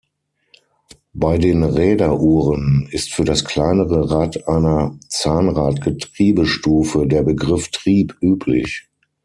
Bei den Räderuhren ist für das kleinere Rad einer Zahnrad-Getriebestufe der Begriff Trieb üblich.